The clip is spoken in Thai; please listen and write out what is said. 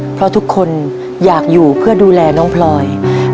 เพราะทุกคนอยากอยู่เพื่อดูแลน้องพลอย